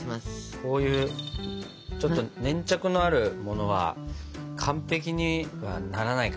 こういうちょっと粘着のあるものは完璧にはならないからね。